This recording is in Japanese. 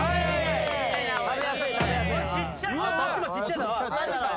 ちっちゃいな。